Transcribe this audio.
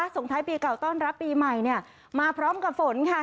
ส่งท้ายปีเก่าต้อนรับปีใหม่เนี่ยมาพร้อมกับฝนค่ะ